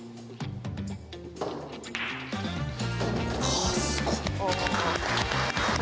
はあすごっ。